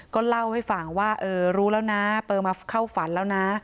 ก็เล่าให้ฟังว่าเออรู้แล้วนะเปอร์มาเข้าฝันแล้วนะ